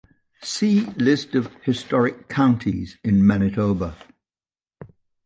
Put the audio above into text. See List of historic counties in Manitoba.